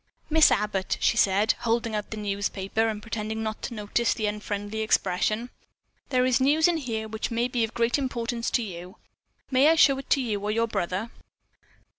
"Miss Abbott," she said, holding out the newspaper, and pretending not to notice the unfriendly expression, "there is news in here which may be of great importance to you. May I show it to your brother?"